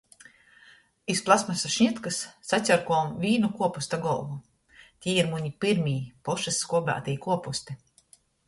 Iz plastmasa šnitkys sacjorkuojom vīnu kuopusta golvu. Tī ir muni pyrmī pošys skuobeitī kuopusti.